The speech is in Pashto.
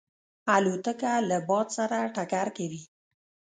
الوتکه له باد سره ټکر کوي.